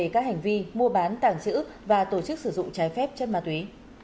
các hành vi mua bán tạm giữ và tổ chức sử dụng trái phép chất ma túy